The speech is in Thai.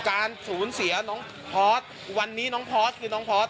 การสูญเสียน้องพอร์ตวันนี้น้องพอร์สคือน้องพอร์ต